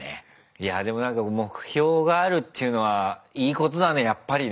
いやあでもなんか目標があるっていうのはいいことだねやっぱりね。